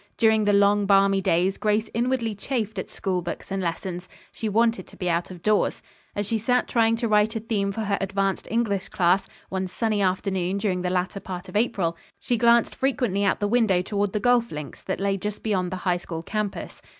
During the long, balmy days Grace inwardly chafed at schoolbooks and lessons. She wanted to be out of doors. As she sat trying to write a theme for her advanced English class, one sunny afternoon during the latter part of April, she glanced frequently out the window toward the golf links that lay just beyond the High School campus.